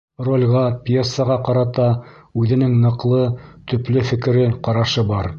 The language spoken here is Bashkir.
Ролгә, пьесаға ҡарата үҙенең ныҡлы, төплө фекере, ҡарашы бар.